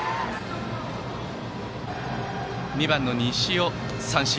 ２番の西尾、三振。